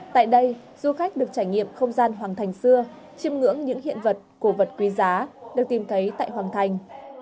tại đây du khách được trải nghiệm không gian hoàng thành xưa chiêm ngưỡng những hiện vật cổ vật quý giá được tìm thấy tại hoàng thành